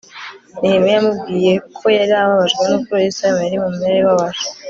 nehemiya yamubwiye ko yari ababajwe n uko yerusalemu yari mu mimerere ibabaje